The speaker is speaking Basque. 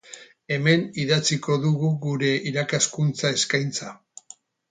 Hemen idatziko dugu gure irakaskuntza eskaintza.